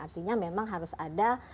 artinya memang harus ada